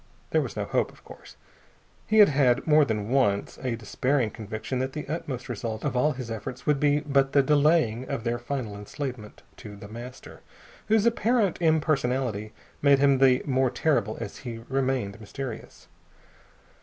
There was no hope, of course. He had had, more than once, a despairing conviction that the utmost result of all his efforts would be but the delaying of their final enslavement to The Master, whose apparent impersonality made him the more terrible as he remained mysterious.